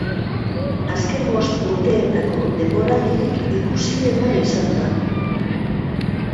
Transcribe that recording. Azken bost urteetako denboraldirik ikusiena izan da.